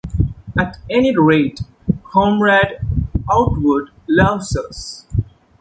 At any rate, Comrade Outwood loves us.